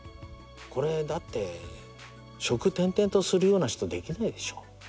これだって職転々とするような人できないでしょ。